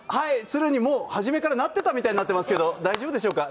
鶴にもう初めからなっていたみたいになっていますけど大丈夫でしょうか？